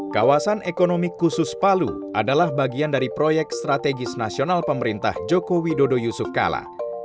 kawasan ekonomi khusus palu adalah bagian dari proyek strategis nasional pemerintah joko widodo yusuf kala